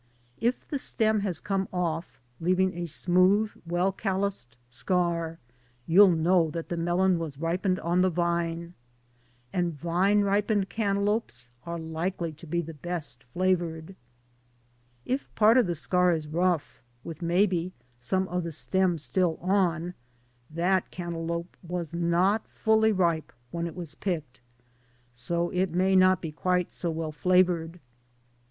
If the stem has come off leaving a smooth, well calloused scar, you'll know that the melon was ripened on the vine. And vine ripened cantaloupes are likely to "be the best flavored. If part of the scar is rough, with maybe some of the stem still on, that cantaloupe uas not fully ripe when it was picked. So it may not be quite so well flavored.